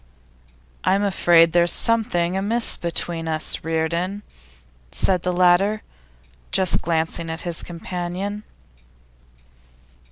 'I'm afraid there's something amiss between us, Reardon,' said the latter, just glancing at his companion.